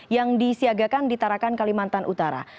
yang disiagakan di tarakan kalimantan utara